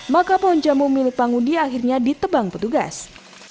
maka pohon jambu milik pangudi akhirnya ditebang petugas